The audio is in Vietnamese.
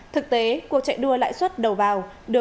thực tế cuộc chạy đua lãi suất đầu vào